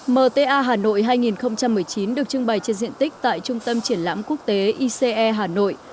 mta hà nội hai nghìn một mươi chín được trưng bày trên diện tích tại trung tâm triển lãm quốc tế ice hà nội